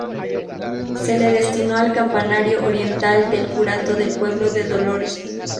Se le destinó al campanario oriental del curato del pueblo de Dolores.